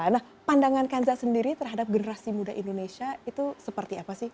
nah pandangan kanza sendiri terhadap generasi muda indonesia itu seperti apa sih